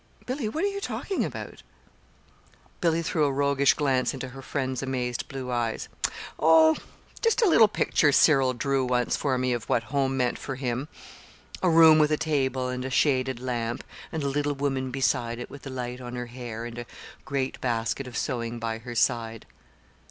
"Billy, what are you talking about?" Billy threw a roguish glance into her friend's amazed blue eyes. "Oh, just a little picture Cyril drew once for me of what home meant for him: a room with a table and a shaded lamp, and a little woman beside it with the light on her hair and a great basket of sewing by her side."